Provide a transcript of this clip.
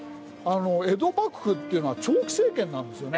江戸幕府っていうのは長期政権なんですよね。